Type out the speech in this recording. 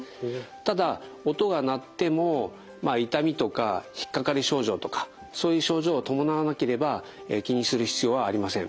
ただ音が鳴っても痛みとか引っ掛かり症状とかそういう症状を伴わなければ気にする必要はありません。